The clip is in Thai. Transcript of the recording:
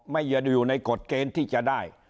อย่าอยู่ในกฎเกณฑ์ที่จะได้